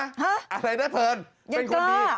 อะไรนะเพลินเป็นคนดียังกล้า